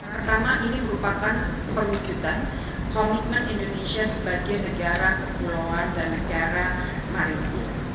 pertama ini merupakan perwujudan komitmen indonesia sebagai negara kepulauan dan negara maju